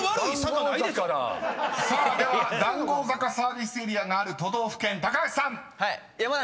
［さあでは談合坂サービスエリアがある都道府県高橋さん］